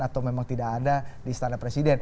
atau memang tidak ada di istana presiden